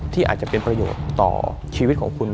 ที่อาจจะเป็นประโยชน์ต่อชีวิตของคุณ